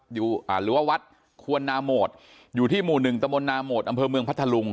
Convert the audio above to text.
หรือว่าวัดควรนาโหมดอยู่ที่หมู่หนึ่งตะมนนาโหมดอำเภอเมืองพัทธลุง